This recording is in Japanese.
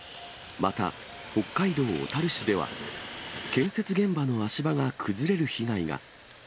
また、北海道小樽市では、建設現場の足場が崩れる被害が。